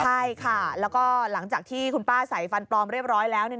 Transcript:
ใช่ค่ะแล้วก็หลังจากที่คุณป้าใส่ฟันปลอมเรียบร้อยแล้ว